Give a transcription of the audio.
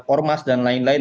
ormas dan lain lain